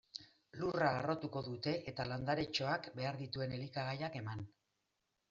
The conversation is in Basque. Lurra harrotuko dute, eta landaretxoak behar dituen elikagaiak eman.